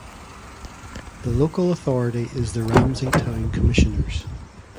The local authority is the Ramsey Town Commissioners.